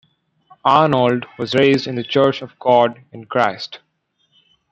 Arnold was raised in the Church of God in Christ.